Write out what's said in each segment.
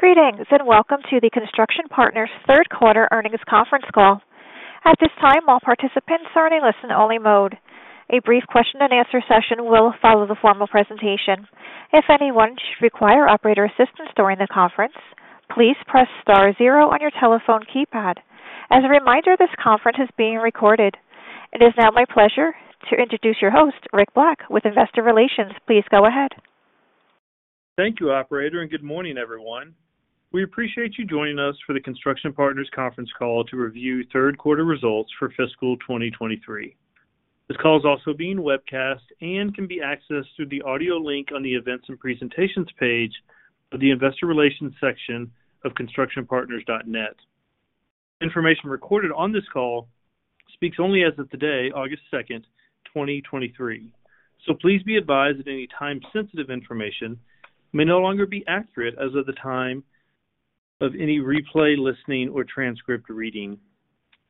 Greetings, and welcome to the Construction Partners' third quarter earnings conference call. At this time, all participants are in a listen-only mode. A brief question-and-answer session will follow the formal presentation. If anyone should require operator assistance during the conference, please press star zero on your telephone keypad. As a reminder, this conference is being recorded. It is now my pleasure to introduce your host, Rick Black, with Investor Relations. Please go ahead. Thank you, operator, and good morning, everyone. We appreciate you joining us for the Construction Partners conference call to review third quarter results for fiscal 2023. This call is also being webcast and can be accessed through the audio link on the Events and Presentations page of the Investor Relations section of constructionpartners.net. Information recorded on this call speaks only as of today, August 2nd, 2023. Please be advised that any time-sensitive information may no longer be accurate as of the time of any replay, listening, or transcript reading.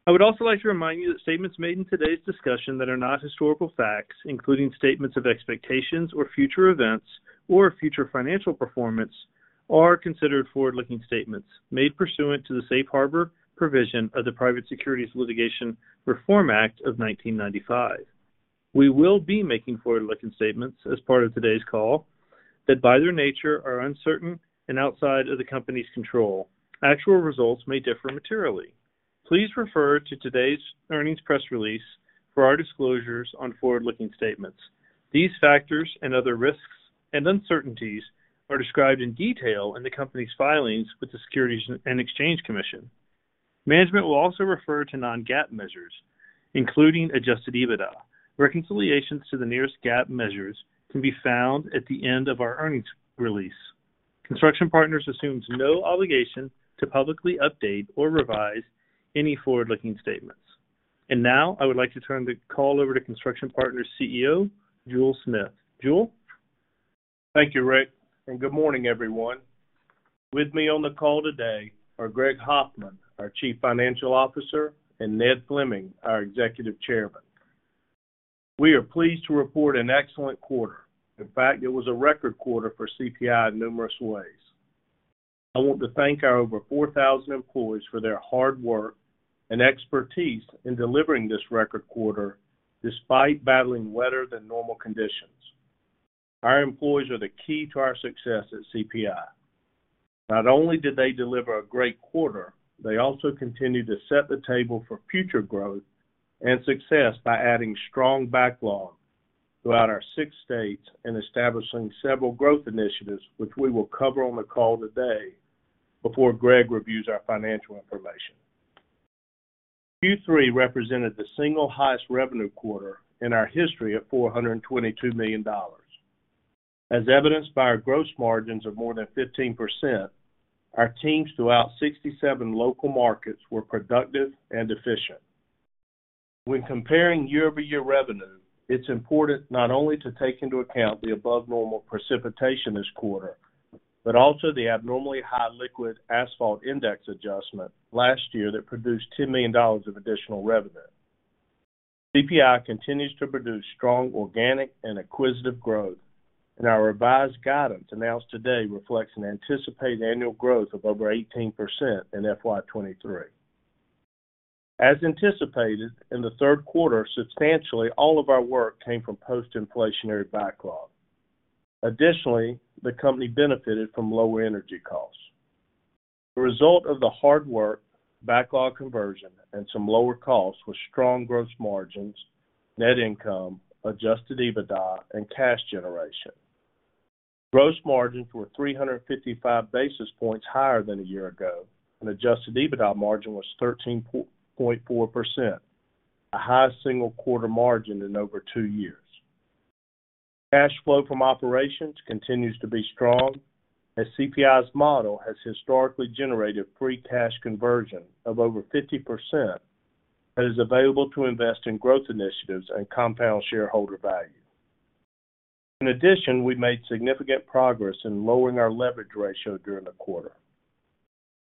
I would also like to remind you that statements made in today's discussion that are not historical facts, including statements of expectations or future events or future financial performance, are considered forward-looking statements made pursuant to the Safe Harbor provision of the Private Securities Litigation Reform Act of 1995. We will be making forward-looking statements as part of today's call that, by their nature, are uncertain and outside of the company's control. Actual results may differ materially. Please refer to today's earnings press release for our disclosures on forward-looking statements. These factors and other risks and uncertainties are described in detail in the company's filings with the Securities and Exchange Commission. Management will also refer to non-GAAP measures, including Adjusted EBITDA. Reconciliations to the nearest GAAP measures can be found at the end of our earnings release. Construction Partners assumes no obligation to publicly update or revise any forward-looking statements. Now, I would like to turn the call over to Construction Partners' CEO, Jule Smith. Jule? Thank you, Rick. Good morning, everyone. With me on the call today are Greg Hoffman, our Chief Financial Officer, and Ned Fleming, our Executive Chairman. We are pleased to report an excellent quarter. In fact, it was a record quarter for CPI in numerous ways. I want to thank our over 4,000 employees for their hard work and expertise in delivering this record quarter, despite battling wetter than normal conditions. Our employees are the key to our success at CPI. Not only did they deliver a great quarter, they also continued to set the table for future growth and success by adding strong backlog throughout our six states and establishing several growth initiatives, which we will cover on the call today before Greg reviews our financial information. Q3 represented the single highest revenue quarter in our history at $422 million. As evidenced by our gross margins of more than 15%, our teams throughout 67 local markets were productive and efficient. When comparing year-over-year revenue, it's important not only to take into account the above normal precipitation this quarter, but also the abnormally high liquid asphalt index adjustment last year that produced $2 million of additional revenue. CPI continues to produce strong organic and acquisitive growth, and our revised guidance announced today reflects an anticipated annual growth of over 18% in FY 2023. As anticipated, in the third quarter, substantially all of our work came from post-inflationary backlog. Additionally, the company benefited from lower energy costs. The result of the hard work, backlog conversion, and some lower costs was strong gross margins, net income, Adjusted EBITDA, and cash generation. Gross margins were 355 basis points higher than a year ago, Adjusted EBITDA margin was 13.4%, the highest single quarter margin in over two years. Cash flow from operations continues to be strong, as CPI's model has historically generated free cash conversion of over 50% that is available to invest in growth initiatives and compound shareholder value. In addition, we made significant progress in lowering our leverage ratio during the quarter.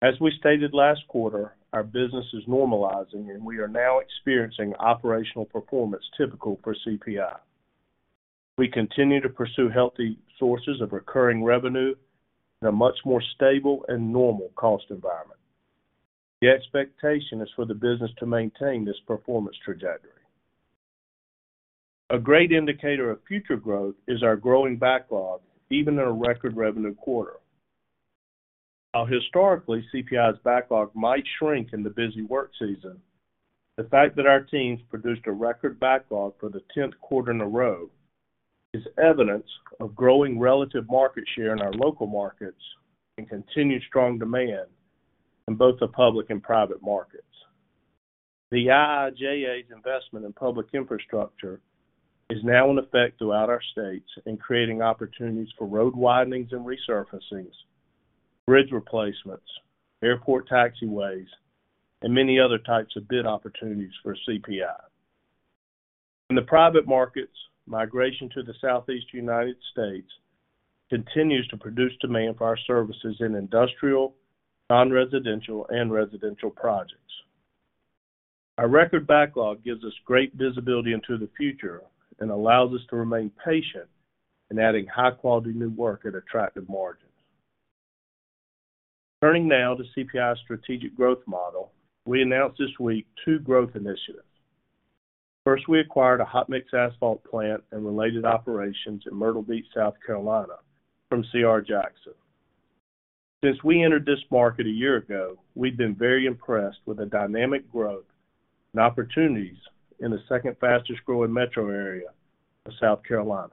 As we stated last quarter, our business is normalizing, and we are now experiencing operational performance typical for CPI. We continue to pursue healthy sources of recurring revenue in a much more stable and normal cost environment. The expectation is for the business to maintain this performance trajectory. A great indicator of future growth is our growing backlog, even in a record revenue quarter. While historically, CPI's backlog might shrink in the busy work season, the fact that our teams produced a record backlog for the 10th quarter in a row is evidence of growing relative market share in our local markets and continued strong demand in both the public and private markets. The IIJA's investment in public infrastructure is now in effect throughout our states and creating opportunities for road widenings and resurfacings, bridge replacements, airport taxiways, and many other types of bid opportunities for CPI. In the private markets, migration to the Southeast United States continues to produce demand for our services in industrial, non-residential, and residential projects. Our record backlog gives us great visibility into the future and allows us to remain patient in adding high-quality new work at attractive margins. Turning now to CPI's strategic growth model, we announced this week two growth initiatives. First, we acquired a hot mix asphalt plant and related operations in Myrtle Beach, South Carolina, from C.R. Jackson. Since we entered this market a year ago, we've been very impressed with the dynamic growth and opportunities in the second fastest growing metro area of South Carolina.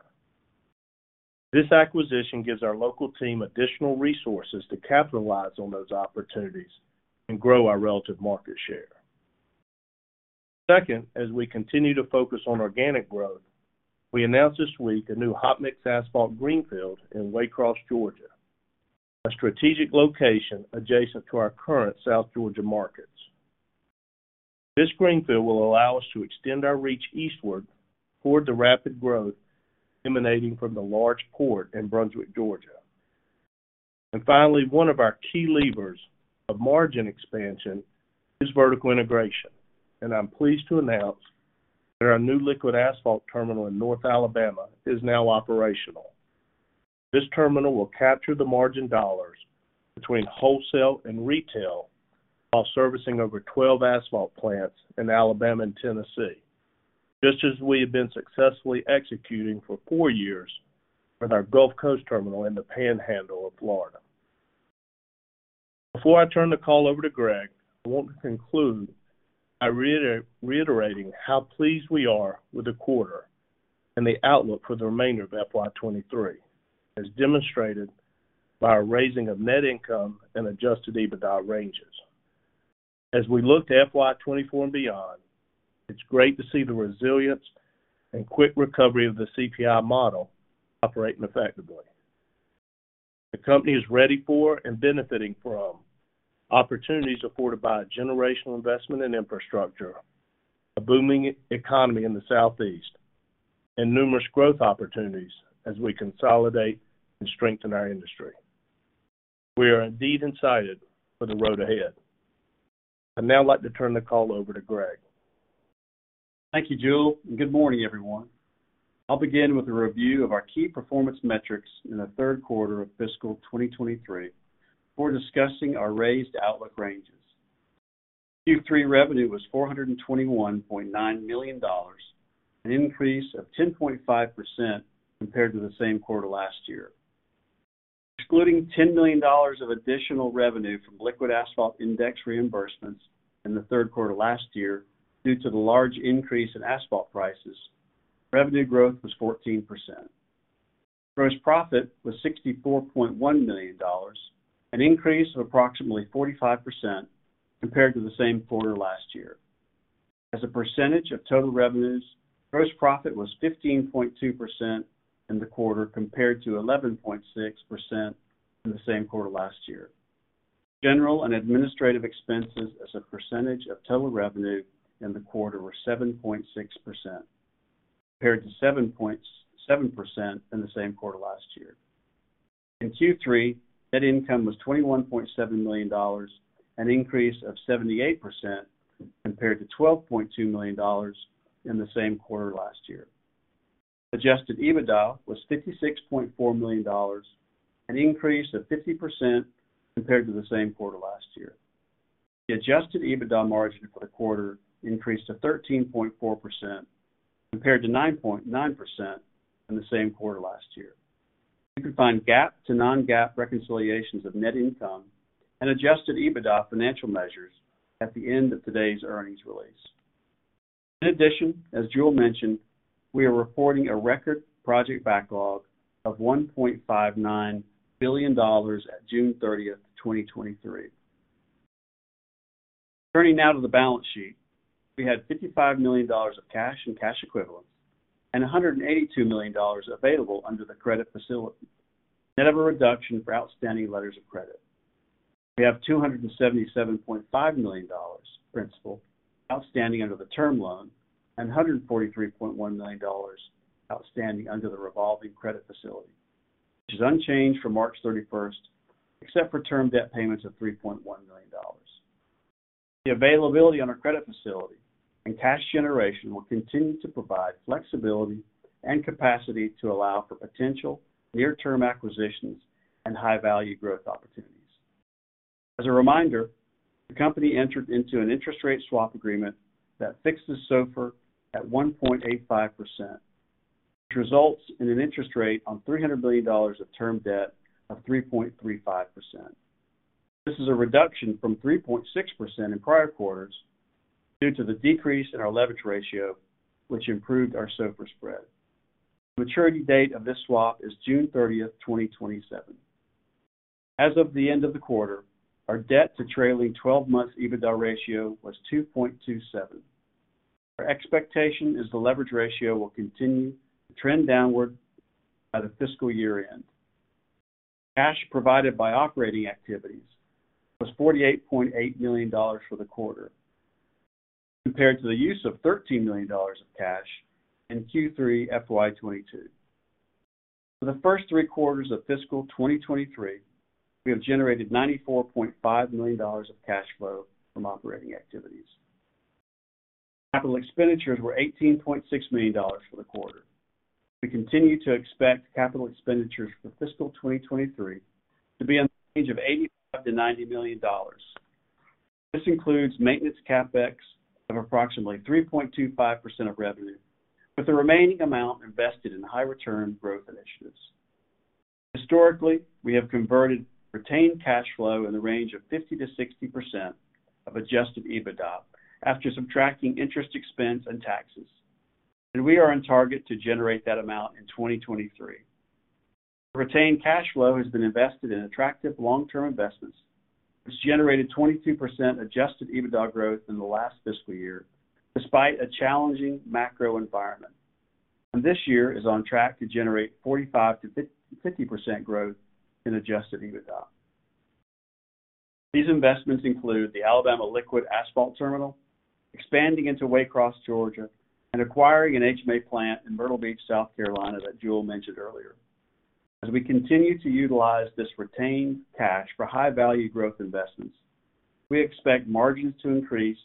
This acquisition gives our local team additional resources to capitalize on those opportunities and grow our relative market share. Second, as we continue to focus on organic growth, we announced this week a new hot mix asphalt greenfield in Waycross, Georgia, a strategic location adjacent to our current South Georgia markets. This greenfield will allow us to extend our reach eastward toward the rapid growth emanating from the large port in Brunswick, Georgia. Finally, one of our key levers of margin expansion is vertical integration, and I'm pleased to announce that our new liquid asphalt terminal in North Alabama is now operational. This terminal will capture the margin dollars between wholesale and retail, while servicing over 12 asphalt plants in Alabama and Tennessee, just as we have been successfully executing for four years with our Gulf Coast terminal in the Panhandle of Florida. Before I turn the call over to Greg, I want to conclude by reiterating how pleased we are with the quarter and the outlook for the remainder of FY 2023, as demonstrated by our raising of net income and Adjusted EBITDA ranges. As we look to FY 2024 and beyond, it's great to see the resilience and quick recovery of the CPI model operating effectively. The company is ready for and benefiting from opportunities afforded by a generational investment in infrastructure, a booming economy in the Southeast, and numerous growth opportunities as we consolidate and strengthen our industry. We are indeed excited for the road ahead. I'd now like to turn the call over to Greg. Thank you, Jule, good morning, everyone. I'll begin with a review of our key performance metrics in the third quarter of fiscal 2023 before discussing our raised outlook ranges. Q3 revenue was $421.9 million, an increase of 10.5% compared to the same quarter last year. Excluding $10 million of additional revenue from liquid asphalt index reimbursements in the third quarter last year, due to the large increase in asphalt prices, revenue growth was 14%. Gross profit was $64.1 million, an increase of approximately 45% compared to the same quarter last year. As a percentage of total revenues, gross profit was 15.2% in the quarter, compared to 11.6% in the same quarter last year. General and administrative expenses as a percentage of total revenue in the quarter were 7.6%, compared to 7.7% in the same quarter last year. In Q3, net income was $21.7 million, an increase of 78% compared to $12.2 million in the same quarter last year. Adjusted EBITDA was $56.4 million, an increase of 50% compared to the same quarter last year. The Adjusted EBITDA margin for the quarter increased to 13.4%, compared to 9.9% in the same quarter last year. You can find GAAP to non-GAAP reconciliations of net income and Adjusted EBITDA financial measures at the end of today's earnings release. As Jewel mentioned, we are reporting a record project backlog of $1.59 billion at June 30th, 2023. Turning now to the balance sheet. We had $55 million of cash and cash equivalents, and $182 million available under the credit facility, net of a reduction for outstanding letters of credit. We have $277.5 million principal outstanding under the term loan, and $143.1 million outstanding under the revolving credit facility, which is unchanged from March 31st, except for term debt payments of $3.1 million. The availability on our credit facility and cash generation will continue to provide flexibility and capacity to allow for potential near-term acquisitions and high-value growth opportunities. As a reminder, the company entered into an interest rate swap agreement that fixes SOFR at 1.85%, which results in an interest rate on $300 million of term debt of 3.35%. This is a reduction from 3.6% in prior quarters due to the decrease in our leverage ratio, which improved our SOFR spread. The maturity date of this swap is June 30th, 2027. As of the end of the quarter, our debt to trailing 12 months EBITDA ratio was 2.27. Our expectation is the leverage ratio will continue to trend downward by the fiscal year-end. Cash provided by operating activities was $48.8 million for the quarter, compared to the use of $13 million of cash in Q3 FY 2022. For the first three quarters of FY 2023, we have generated $94.5 million of cash flow from operating activities. Capital expenditures were $18.6 million for the quarter. We continue to expect Capital expenditures for FY 2023 to be in the range of $85 million-$90 million. This includes maintenance CapEx of approximately 3.25% of revenue, with the remaining amount invested in high return growth initiatives. Historically, we have converted retained cash flow in the range of 50%-60% of Adjusted EBITDA after subtracting interest expense and taxes, and we are on target to generate that amount in 2023. Retained cash flow has been invested in attractive long-term investments. It's generated 22% Adjusted EBITDA growth in the last fiscal year, despite a challenging macro environment. This year is on track to generate 45%-50% growth in Adjusted EBITDA. These investments include the Alabama Liquid Asphalt Terminal, expanding into Waycross, Georgia, and acquiring an HMA plant in Myrtle Beach, South Carolina, that Jule mentioned earlier. As we continue to utilize this retained cash for high-value growth investments, we expect margins to increase,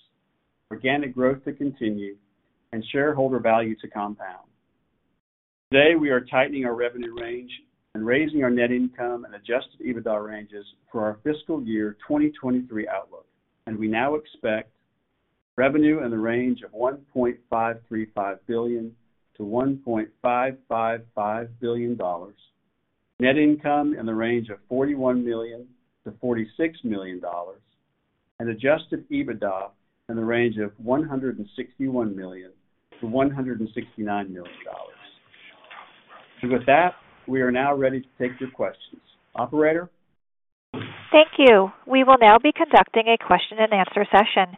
organic growth to continue, and shareholder value to compound. Today, we are tightening our revenue range and raising our net income and Adjusted EBITDA ranges for our fiscal year 2023 outlook. We now expect revenue in the range of $1.535 billion-$1.555 billion, net income in the range of $41 million-$46 million, and Adjusted EBITDA in the range of $161 million-$169 million. With that, we are now ready to take your questions. Operator? Thank you. We will now be conducting a question-and-answer session.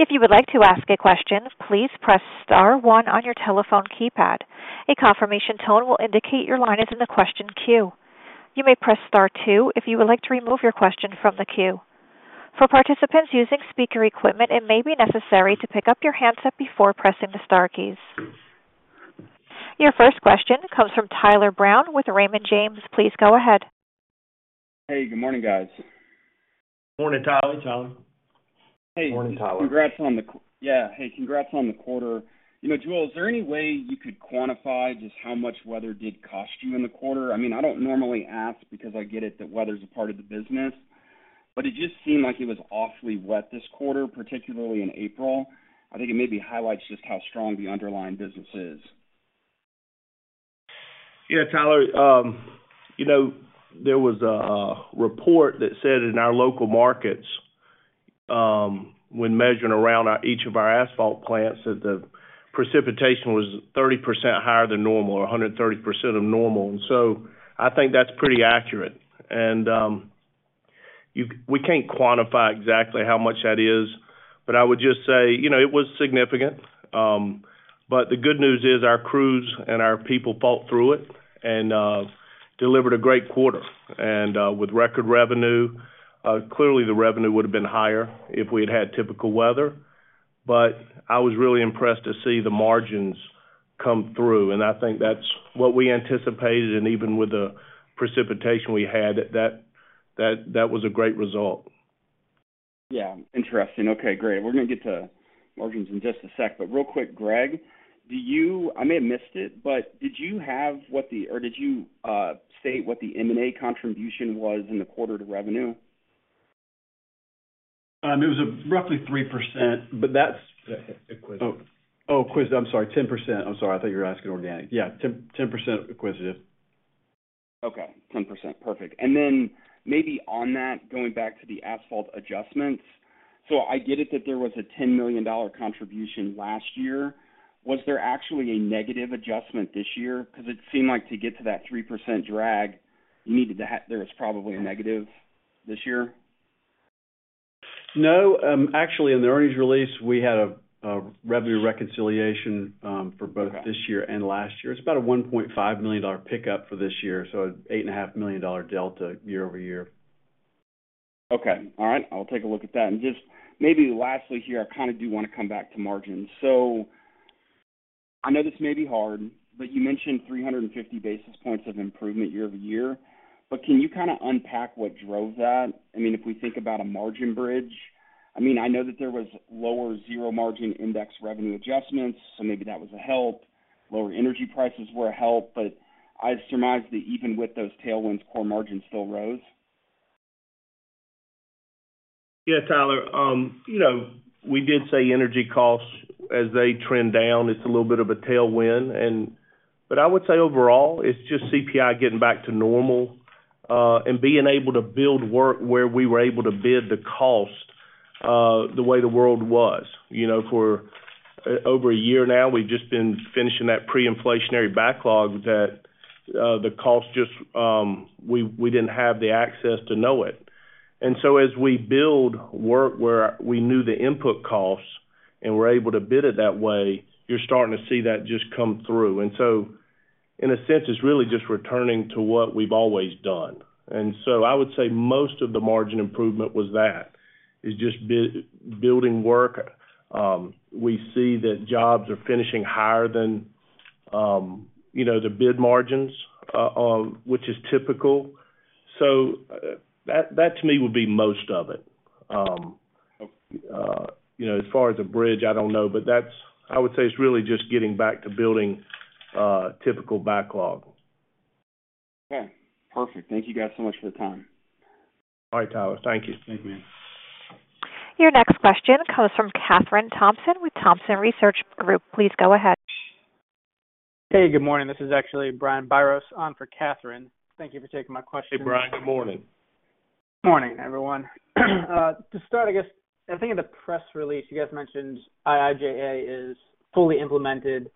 If you would like to ask a question, please press star one on your telephone keypad. A confirmation tone will indicate your line is in the question queue. You may press star two if you would like to remove your question from the queue. For participants using speaker equipment, it may be necessary to pick up your handset before pressing the star keys. Your first question comes from Tyler Brown with Raymond James. Please go ahead. Hey, good morning, guys. Morning, Tyler. Morning, Tyler. Hey. Morning, Tyler. Yeah, hey, congrats on the quarter. You know, Jule, is there any way you could quantify just how much weather did cost you in the quarter? I mean, I don't normally ask because I get it, that weather's a part of the business, but it just seemed like it was awfully wet this quarter, particularly in April. I think it maybe highlights just how strong the underlying business is. Yeah, Tyler, you know, there was a report that said in our local markets, when measuring around each of our asphalt plants, that the precipitation was 30% higher than normal or 130% of normal. I think that's pretty accurate. We can't quantify exactly how much that is, but I would just say, you know, it was significant. The good news is our crews and our people fought through it and delivered a great quarter. With record revenue, clearly, the revenue would have been higher if we'd had typical weather, I was really impressed to see the margins come through, and I think that's what we anticipated. Even with the precipitation we had, that was a great result. Yeah, interesting. Okay, great. We're gonna get to margins in just a sec. Real quick, Greg, do you, I may have missed it, but did you state what the M&A contribution was in the quarter to revenue? It was a roughly 3%, but that's. Acquisition. Oh, acquisition. I'm sorry, 10%. I'm sorry. I thought you were asking organic. Yeah, 10%, 10% acquisitive. Okay, 10%. Perfect. Then maybe on that, going back to the asphalt adjustments. I get it that there was a $10 million contribution last year. Was there actually a negative adjustment this year? It seemed like to get to that 3% drag, there was probably a negative this year. No, actually, in the earnings release, we had a, a revenue reconciliation, for both this year and last year. It's about a $1.5 million pickup for this year, so an $8.5 million delta year-over-year. Okay. All right, I'll take a look at that. Just maybe lastly here, I kinda do wanna come back to margins. I know this may be hard, but you mentioned 350 basis points of improvement year-over-year, but can you kinda unpack what drove that? I mean, if we think about a margin bridge, I mean, I know that there was lower zero margin index revenue adjustments, so maybe that was a help. Lower energy prices were a help, but I surmise that even with those tailwinds, core margins still rose. Yeah, Tyler. You know, we did say energy costs, as they trend down, it's a little bit of a tailwind. But I would say overall, it's just CPI getting back to normal, and being able to build work where we were able to bid the cost, the way the world was. You know, for over a year now, we've just been finishing that pre-inflationary backlog that the cost just, we, we didn't have the access to know it. So as we build work where we knew the input costs and we're able to bid it that way, you're starting to see that just come through. So in a sense, it's really just returning to what we've always done. So I would say most of the margin improvement was that. is just building work. We see that jobs are finishing higher than, you know, the bid margins, which is typical. That, that to me, would be most of it. You know, as far as a bridge, I don't know, but that's, I would say it's really just getting back to building, typical backlog. Okay, perfect. Thank you guys so much for the time. All right, Tyler. Thank you. Thank you. Your next question comes from Kathryn Thompson with Thompson Research Group. Please go ahead. Hey, good morning. This is actually Brian Biros on for Kathryn. Thank you for taking my question. Hey, Brian, good morning. Morning, everyone. To start, I guess, I think in the press release you guys mentioned IIJA is fully implemented.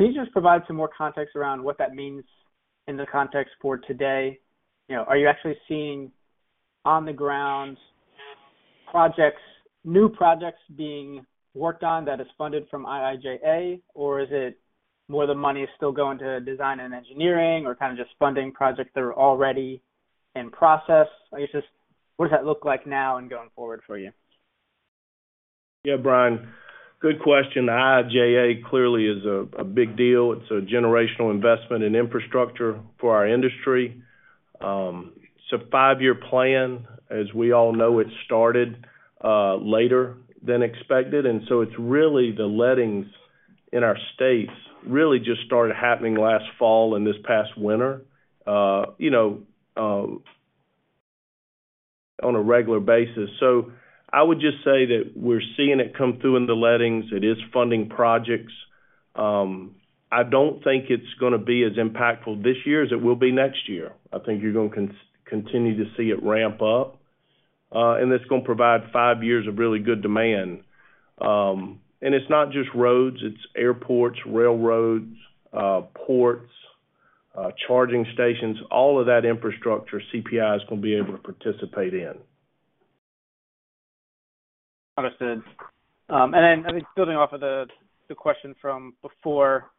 Can you just provide some more context around what that means in the context for today? You know, are you actually seeing on the ground projects, new projects being worked on that is funded from IIJA? Or is it more the money is still going to design and engineering or kind of just funding projects that are already in process? I guess, just what does that look like now and going forward for you? Yeah, Brian, good question. The IIJA clearly is a, a big deal. It's a generational investment in infrastructure for our industry. It's a five-year plan. As we all know, it started later than expected, and so it's really the lettings in our states, really just started happening last fall and this past winter, you know, on a regular basis. I would just say that we're seeing it come through in the lettings. It is funding projects. I don't think it's gonna be as impactful this year as it will be next year. I think you're gonna continue to see it ramp up, and it's gonna provide five years of really good demand. It's not just roads, it's airports, railroads, ports, charging stations, all of that infrastructure, CPI is gonna be able to participate in. Understood. I think building off of the, the question from before,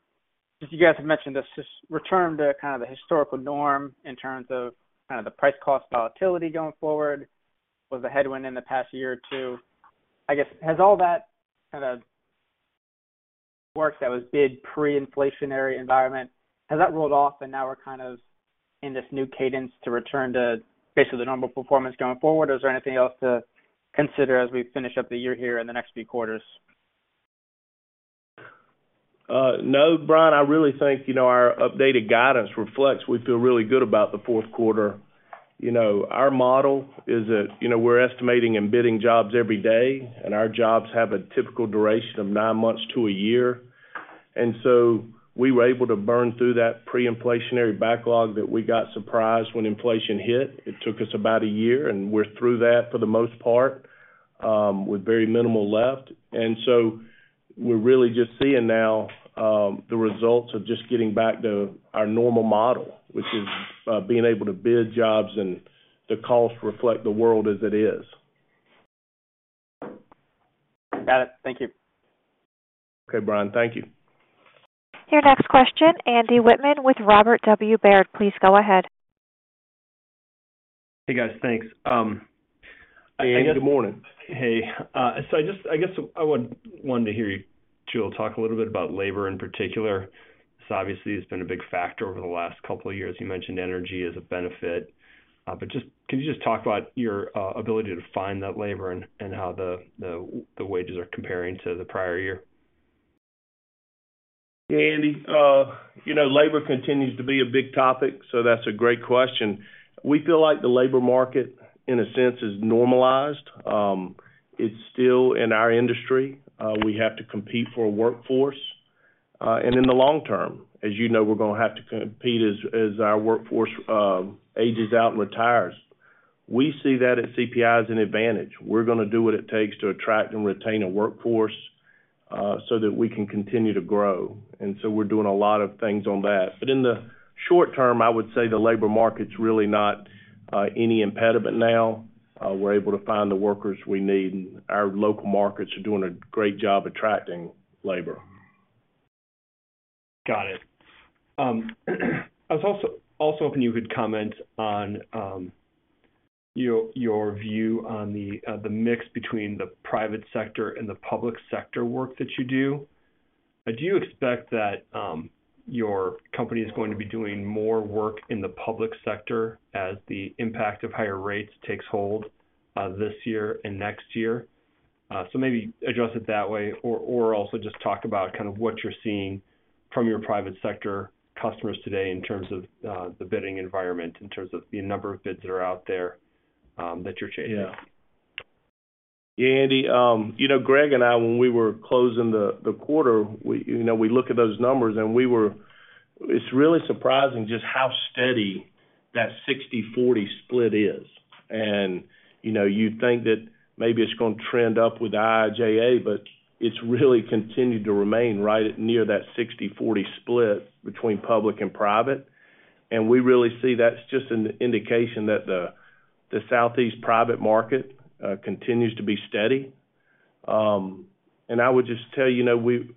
as you guys have mentioned, this is return to kind of the historical norm in terms of kind of the price cost volatility going forward, was a headwind in the past year or two. I guess, has all that kind of work that was bid pre-inflationary environment, has that rolled off and now we're kind of in this new cadence to return to basically the normal performance going forward? Or is there anything else to consider as we finish up the year here in the next few quarters? No, Brian, I really think, you know, our updated guidance reflects we feel really good about the fourth quarter. You know, our model is that, you know, we're estimating and bidding jobs every day, and our jobs have a typical duration of nine months to a year. We were able to burn through that pre-inflationary backlog that we got surprised when inflation hit. It took us about a year, and we're through that for the most part, with very minimal left. We're really just seeing now, the results of just getting back to our normal model, which is, being able to bid jobs and the costs reflect the world as it is. Got it. Thank you. Okay, Brian. Thank you. Your next question, Andy Wittman with Robert W. Baird. Please go ahead. Hey, guys, thanks. Hey, good morning. Hey, I guess I wanted to hear you two talk a little bit about labor in particular. Obviously, it's been a big factor over the last couple of years. You mentioned energy as a benefit, but can you just talk about your ability to find that labor and, and how the wages are comparing to the prior year? Yeah, Andy, you know, labor continues to be a big topic, so that's a great question. We feel like the labor market, in a sense, is normalized. It's still in our industry. We have to compete for workforce. In the long term, as you know, we're gonna have to compete as, as our workforce, ages out and retires. We see that at CPI as an advantage. We're gonna do what it takes to attract and retain a workforce, so that we can continue to grow. We're doing a lot of things on that. In the short term, I would say the labor market's really not any impediment now. We're able to find the workers we need, and our local markets are doing a great job attracting labor. Got it. I was also, also hoping you could comment on your, your view on the mix between the private sector and the public sector work that you do. Do you expect that your company is going to be doing more work in the public sector as the impact of higher rates takes hold this year and next year? Maybe address it that way, or, or also just talk about kind of what you're seeing from your private sector customers today in terms of the bidding environment, in terms of the number of bids that are out there that you're chasing? Yeah. Yeah, Andy, you know, Greg and I, when we were closing the quarter, we, you know, we looked at those numbers, it's really surprising just how steady that 60/40 split is. You know, you'd think that maybe it's gonna trend up with IIJA, but it's really continued to remain right at near that 60/40 split between public and private. We really see that's just an indication that the Southeast private market continues to be steady. I would just tell you, you know, We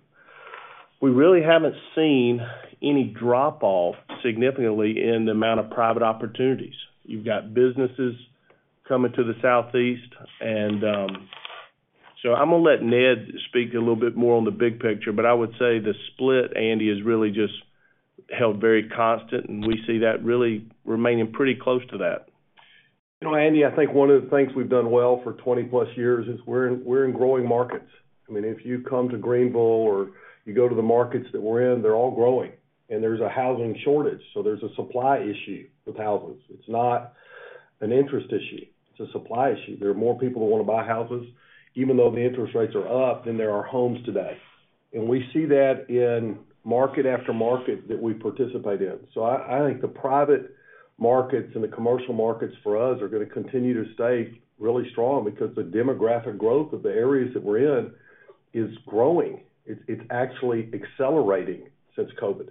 really haven't seen any drop-off significantly in the amount of private opportunities. You've got businesses coming to the Southeast. I'm going to let Ned speak a little bit more on the big picture, but I would say the split, Andy, has really just held very constant, and we see that really remaining pretty close to that. You know, Andy, I think one of the things we've done well for 20+ years is we're in, we're in growing markets. I mean, if you come to Greenville or you go to the markets that we're in, they're all growing, and there's a housing shortage, so there's a supply issue with houses. It's not an interest issue, it's a supply issue. There are more people who want to buy houses, even though the interest rates are up, than there are homes today. We see that in market after market that we participate in. I, I think the private markets and the commercial markets for us are going to continue to stay really strong because the demographic growth of the areas that we're in is growing. It's, it's actually accelerating since COVID.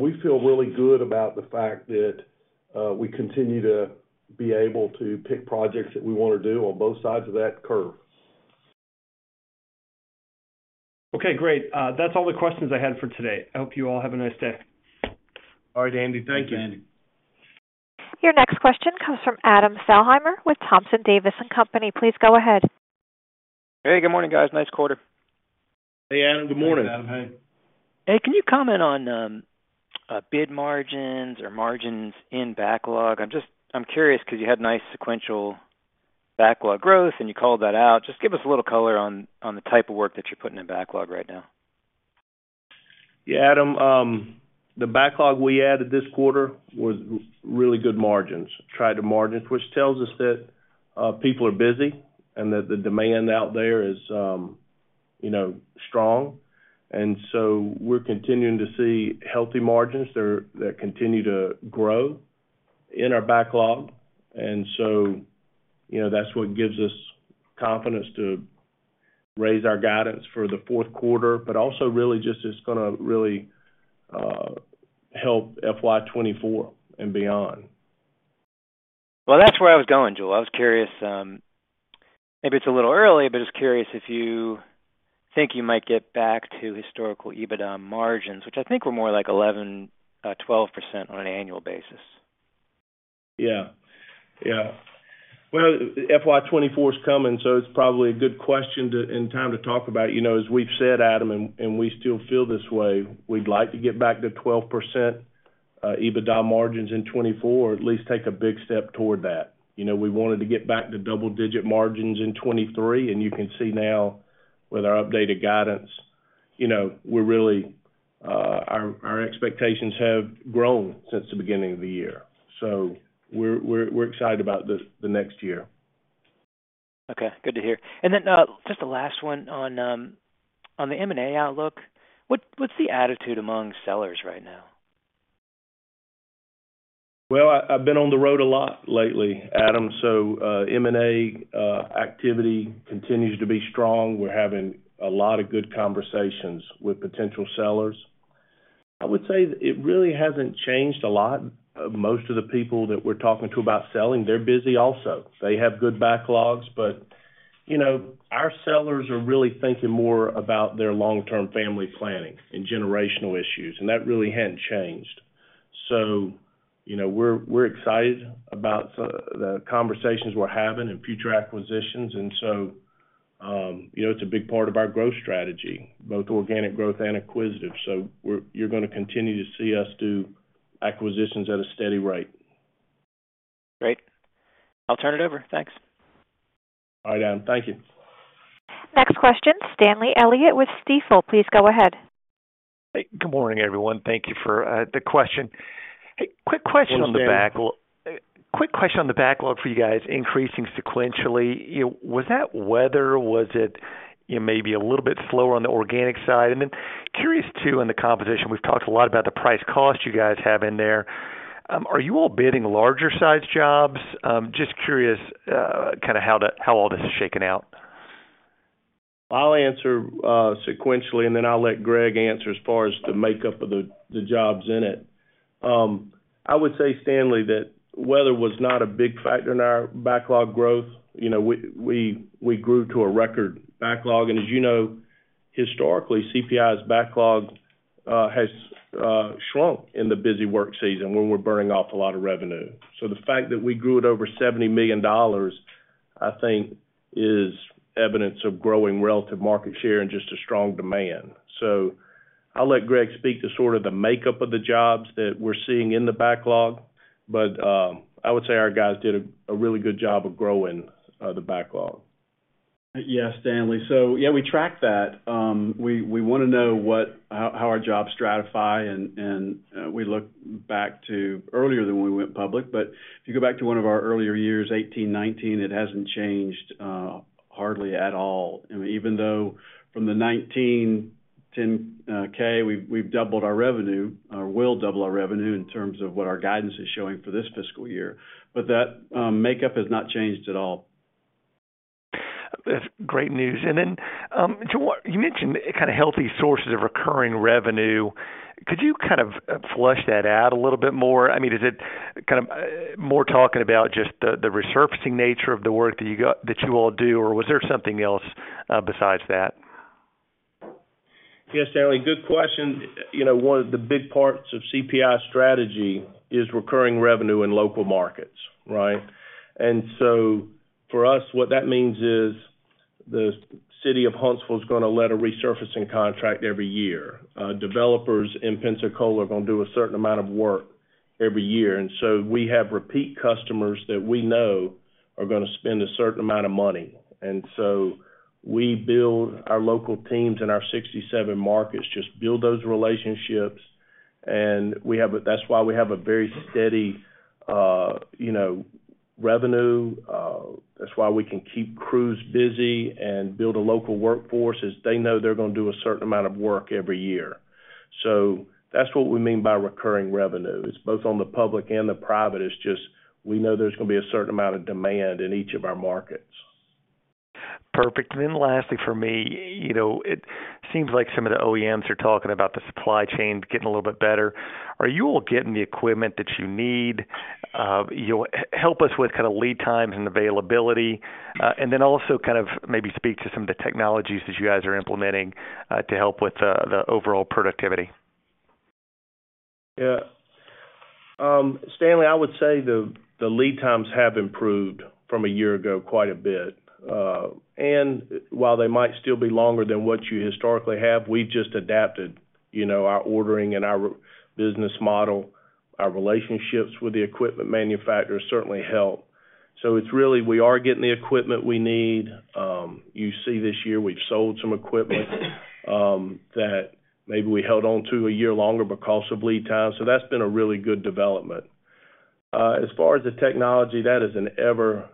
We feel really good about the fact that we continue to be able to pick projects that we want to do on both sides of that curve. Okay, great. That's all the questions I had for today. I hope you all have a nice day. All right, Andy. Thank you. Thanks, Andy. Your next question comes from Adam Thalhimer with Thompson Davis & Company. Please go ahead. Hey, good morning, guys. Nice quarter. Hey, Adam. Good morning. Good morning, Adam. Hey. Hey, can you comment on bid margins or margins in backlog? I'm curious because you had nice sequential backlog growth, you called that out. Just give us a little color on the type of work that you're putting in backlog right now. Yeah, Adam, the backlog we added this quarter was really good margins, tried to margins, which tells us that people are busy and that the demand out there is, you know, strong. We're continuing to see healthy margins there, that continue to grow in our backlog. You know, that's what gives us confidence to raise our guidance for the fourth quarter, but also really just is going to really help FY 2024 and beyond. Well, that's where I was going, Jule. I was curious, maybe it's a little early, but just curious if you think you might get back to historical EBITDA margins, which I think were more like 11%-12% on an annual basis. Yeah. Yeah. Well, FY 2024 is coming. It's probably a good question and time to talk about. You know, as we've said, Adam, and we still feel this way, we'd like to get back to 12% EBITDA margins in 2024, or at least take a big step toward that. You know, we wanted to get back to double-digit margins in 2023. You can see now with our updated guidance, you know, we're really, our expectations have grown since the beginning of the year. We're excited about the next year. Okay. Good to hear. Then, just a last one on, on the M&A outlook. What, what's the attitude among sellers right now? Well, I, I've been on the road a lot lately, Adam. M&A activity continues to be strong. We're having a lot of good conversations with potential sellers. I would say it really hasn't changed a lot. Most of the people that we're talking to about selling, they're busy also. They have good backlogs, but, you know, our sellers are really thinking more about their long-term family planning and generational issues, and that really hadn't changed. You know, we're, we're excited about the conversations we're having and future acquisitions, and so, you know, it's a big part of our growth strategy, both organic growth and acquisitive. You're going to continue to see us do acquisitions at a steady rate. Great. I'll turn it over. Thanks. All right, Adam. Thank you. Next question, Stanley Elliott with Stifel. Please go ahead. Hey, good morning, everyone. Thank you for the question. Hey, quick question. Good morning. Quick question on the backlog for you guys, increasing sequentially. You know, was that weather, or was it, you know, maybe a little bit slower on the organic side? Then curious, too, in the composition, we've talked a lot about the price cost you guys have in there. Are you all bidding larger-sized jobs? Just curious, kinda how all this is shaking out? I'll answer sequentially, and then I'll let Greg answer as far as the makeup of the, the jobs in it. I would say, Stanley, that weather was not a big factor in our backlog growth. You know, we grew to a record backlog, and as you know, historically, CPI's backlog has shrunk in the busy work season when we're burning off a lot of revenue. The fact that we grew it over $70 million, I think, is evidence of growing relative market share and just a strong demand. I'll let Greg speak to sort of the makeup of the jobs that we're seeing in the backlog, but I would say our guys did a, a really good job of growing the backlog. Yeah, Stanley. Yeah, we track that. We, we want to know how, how our jobs stratify, and we look back to earlier than when we went public. If you go back to one of our earlier years, 2018, 2019, it hasn't changed hardly at all. Even though from the [2019 K], we've, we've doubled our revenue, or will double our revenue in terms of what our guidance is showing for this fiscal year, but that makeup has not changed at all. That's great news. Then, to what you mentioned kind of healthy sources of recurring revenue. Could you kind of flesh that out a little bit more? I mean, is it kind of more talking about just the, the resurfacing nature of the work that you all do, or was there something else besides that? Yes, Stanley, good question. You know, one of the big parts of CPI strategy is recurring revenue in local markets, right? For us, what that means is the city of Huntsville is gonna let a resurfacing contract every year. Developers in Pensacola are gonna do a certain amount of work every year. We have repeat customers that we know are gonna spend a certain amount of money. We build our local teams in our 67 markets, just build those relationships, and we have a very steady, you know, revenue. That's why we can keep crews busy and build a local workforce, is they know they're gonna do a certain amount of work every year. That's what we mean by recurring revenue. It's both on the public and the private. It's just, we know there's gonna be a certain amount of demand in each of our markets. Perfect. Lastly, for me, you know, it seems like some of the OEMs are talking about the supply chain getting a little bit better. Are you all getting the equipment that you need? You know, help us with kind of lead times and availability, and then also kind of maybe speak to some of the technologies that you guys are implementing to help with the overall productivity. Yeah. Stanley, I would say the, the lead times have improved from a year ago quite a bit. While they might still be longer than what you historically have, we've just adapted, you know, our ordering and our business model. Our relationships with the equipment manufacturers certainly help. It's really, we are getting the equipment we need. You see, this year we've sold some equipment, that maybe we held on to a year longer because of lead time. That's been a really good development. As far as the technology, that is an ever,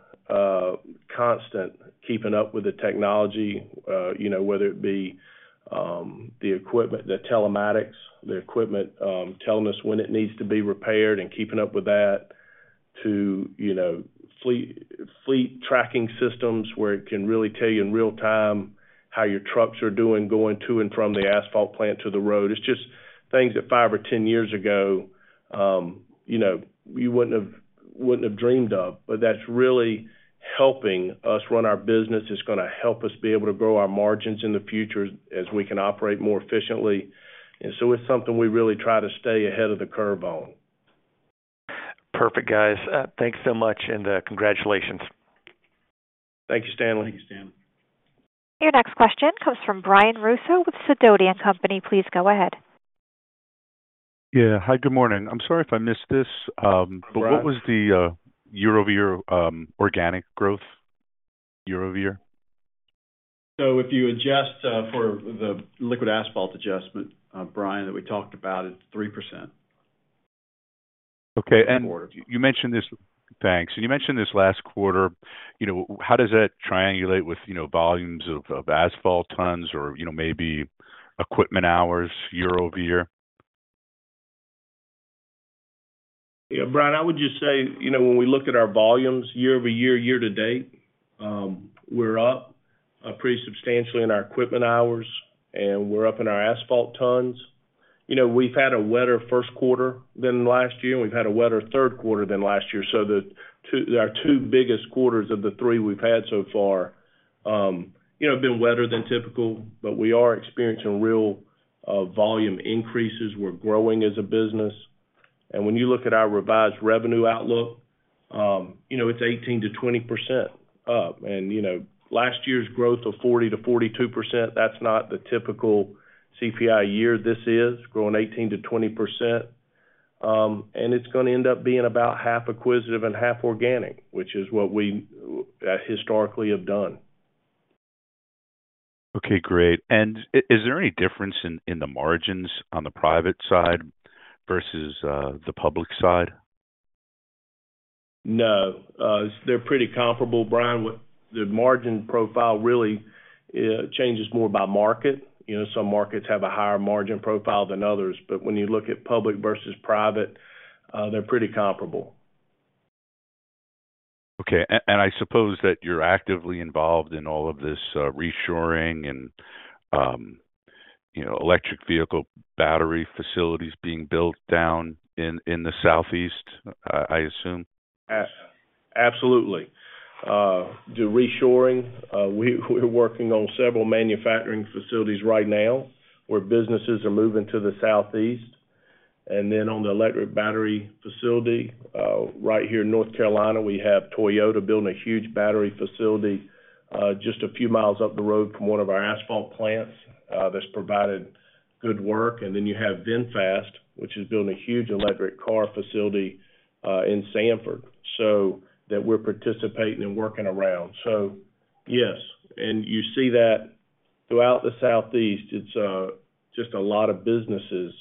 constant, keeping up with the technology, you know, whether it be, the equipment, the telematics, the equipment, telling us when it needs to be repaired and keeping up with that, to, you know, fleet, fleet tracking systems, where it can really tell you in real time how your trucks are doing, going to and from the asphalt plant to the road. It's just things that five or 10 years ago, you know, we wouldn't have, wouldn't have dreamed of, but that's really helping us run our business. It's gonna help us be able to grow our margins in the future as we can operate more efficiently. So it's something we really try to stay ahead of the curve on. Perfect, guys. Thanks so much, and congratulations. Thank you, Stanley. Thank you, Stanley. Your next question comes from Brian Russo with Sidoti & Company. Please go ahead. Yeah. Hi, good morning. I'm sorry if I missed this. Hi, Brian. What was the year-over-year organic growth, year-over-year? If you adjust for the liquid asphalt adjustment, Brian, that we talked about, it's 3%. Okay. Quarter. You mentioned this. Thanks. You mentioned this last quarter, you know, how does that triangulate with, you know, volumes of asphalt tons or, you know, maybe equipment hours year-over-year? Yeah, Brian, I would just say, you know, when we look at our volumes year-over-year, year to date, we're up pretty substantially in our equipment hours, and we're up in our asphalt tons. You know, we've had a wetter first quarter than last year, and we've had a wetter third quarter than last year, the two our two biggest quarters of the three we've had so far, you know, have been wetter than typical. We are experiencing real volume increases. We're growing as a business. When you look at our revised revenue outlook, you know, it's 18%-20% up. You know, last year's growth of 40%-42%, that's not the typical CPI year. This is growing 18%-20%, and it's gonna end up being about 50% acquisitive and 50% organic, which is what we historically have done. Okay, great. Is there any difference in the margins on the private side versus the public side? No. They're pretty comparable, Brian, with. The margin profile really changes more by market. You know, some markets have a higher margin profile than others, but when you look at public versus private, they're pretty comparable. Okay. I suppose that you're actively involved in all of this, reshoring and, you know, electric vehicle battery facilities being built down in, in the Southeast, I assume? Absolutely. The reshoring, we're working on several manufacturing facilities right now, where businesses are moving to the Southeast. Then on the electric battery facility, right here in North Carolina, we have Toyota building a huge battery facility, just a few miles up the road from one of our asphalt plants, that's provided good work. Then you have VinFast, which is building a huge electric car facility, in Sanford, so that we're participating and working around. Yes, you see that throughout the Southeast, it's just a lot of businesses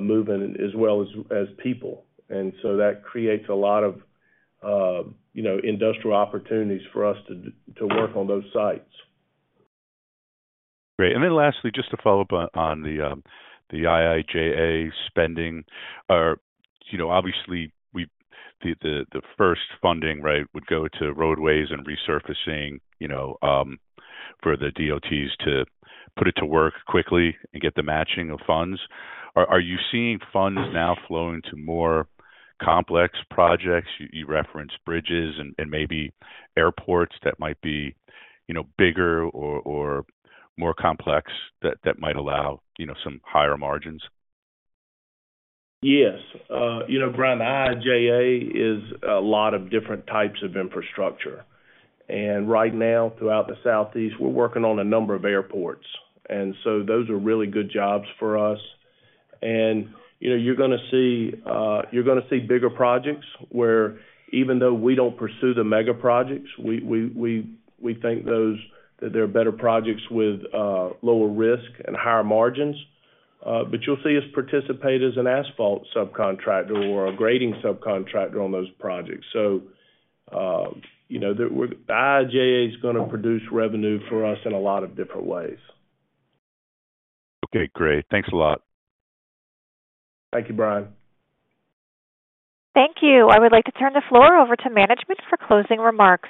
moving as well as, as people. That creates a lot of, you know, industrial opportunities for us to work on those sites. Great. Then lastly, just to follow up on, on the IIJA spending, you know, obviously, the first funding, right, would go to roadways and resurfacing, you know, for the DOTs to put it to work quickly and get the matching of funds. Are you seeing funds now flowing to more complex projects? You referenced bridges and maybe airports that might be, you know, bigger or more complex, that might allow, you know, some higher margins. Yes. You know, Brian, the IIJA is a lot of different types of infrastructure. Right now, throughout the Southeast, we're working on a number of airports, and so those are really good jobs for us. You know, you're gonna see, you're gonna see bigger projects, where even though we don't pursue the mega projects, we, we, we, we think those, that there are better projects with lower risk and higher margins. You'll see us participate as an asphalt subcontractor or a grading subcontractor on those projects. You know, the IIJA is gonna produce revenue for us in a lot of different ways. Okay, great. Thanks a lot. Thank you, Brian. Thank you. I would like to turn the floor over to management for closing remarks.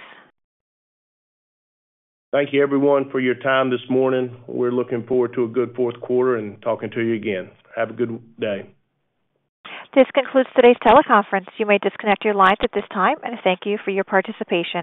Thank you, everyone, for your time this morning. We're looking forward to a good fourth quarter and talking to you again. Have a good day. This concludes today's teleconference. You may disconnect your lines at this time, and thank you for your participation.